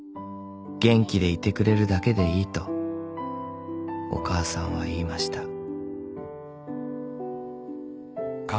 「げんきでいてくれるだけでいいとおかあさんはいいました」